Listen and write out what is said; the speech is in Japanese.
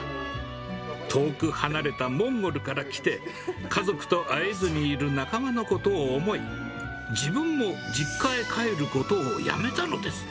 遠く離れたモンゴルから来て、家族と会えずにいる仲間のことを思い、自分も実家へ帰ることをやめたのです。